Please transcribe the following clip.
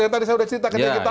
tadi saya sudah cerita